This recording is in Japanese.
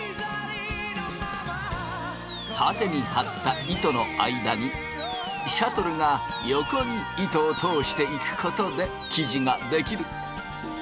縦に張った糸の間にシャトルが横に糸を通していくことで生地が出来る。